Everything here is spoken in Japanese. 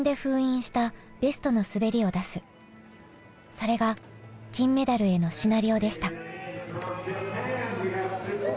それが金メダルへのシナリオでした。